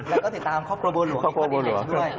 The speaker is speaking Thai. แล้วก็ติดตามครอบครัวบัวหลวงครอบครัวบัวหลวงด้วย